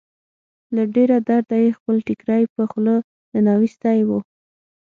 له ډېره درده يې خپل ټيکری په خوله ننوېستی و.